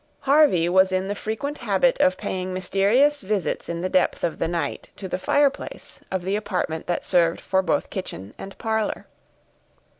Harvey was in the frequent habit of paying mysterious visits in the depth of the night, to the fireplace of the apartment that served for both kitchen and parlor.